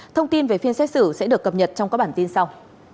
thông tin về phiên xét xử sẽ được cập nhật trong các bản tin sau